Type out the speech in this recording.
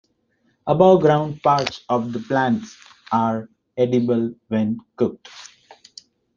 The above-ground parts of the plant are edible when cooked.